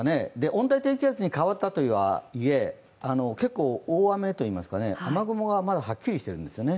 温帯低気圧に変わったとはいえ結構、大雨といいますか、雨雲がまだハッキリしてるんですよね。